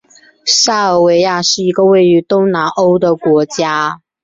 塞尔维亚是一个位于东南欧的国家。